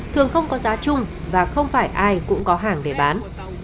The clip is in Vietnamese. thường không có giá chung và không phải ai cũng có hàng để bán